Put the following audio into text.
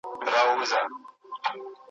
خان پر آس باند پښه واړول تیار سو ,